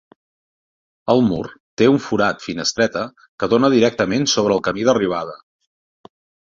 El mur té un forat -finestreta- que dóna directament sobre el camí d'arribada.